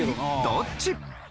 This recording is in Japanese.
どっち？